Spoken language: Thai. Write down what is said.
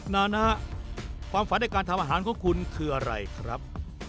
นานะความฝันในการทำอาหารของคุณคืออะไรครับ